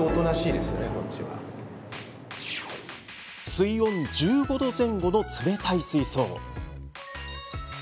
水温１５度前後の冷たい水槽です。